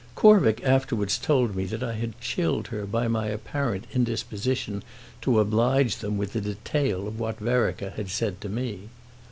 Corvick afterwards told me that I had chilled her by my apparent indisposition to oblige them with the detail of what Vereker had said to me.